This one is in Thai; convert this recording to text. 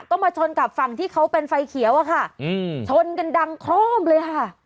ก็มาชนกับฝั่งที่เขาเป็นไฟเขียวอะค่ะอืมชนกันดังโครมเลยค่ะ